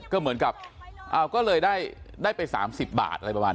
ก็หมันกับได้ไป๓๐บาท